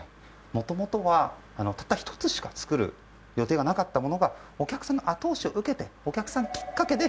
もともとはたった１つしか作る予定がなかったものがお客さんの後押しを受けてお客さんきっかけで